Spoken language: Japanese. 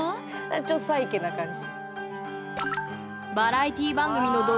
ちょっとサイケな感じ。